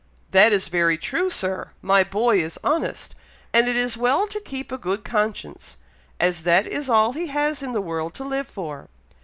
"That is very true, Sir! My boy is honest; and it is well to keep a good conscience, as that is all he has in this world to live for.